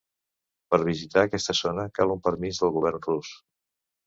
Per visitar aquesta zona cal un permís del govern rus.